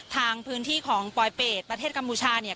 ทางพื้นที่ของปลอยเป็ดประเทศกัมพูชาเนี่ย